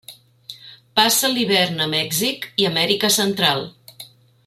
Passa l'hivern a Mèxic i Amèrica Central.